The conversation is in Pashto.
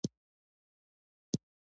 د ریګ دښتې د افغانستان د بشري فرهنګ برخه ده.